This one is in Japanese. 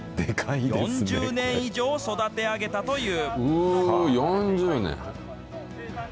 ４０年以上育て上げたという。